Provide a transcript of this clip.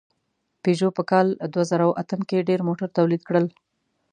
پيژو په کال دوهزرهاتم کې ډېر موټر تولید کړل.